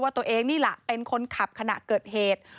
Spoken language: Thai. ตัวเองนี่แหละเป็นคนขับขณะเกิดเหตุ